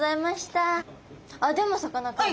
あっでもさかなクン